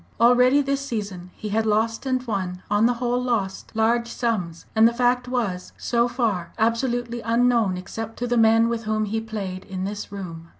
Already this season he had lost and won on the whole lost large sums. And the fact was so far absolutely unknown except to the men with whom he played in this room.